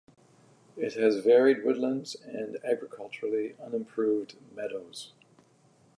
It has varied woodlands and agriculturally unimproved meadows.